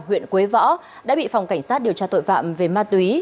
huyện quế võ đã bị phòng cảnh sát điều tra tội phạm về ma túy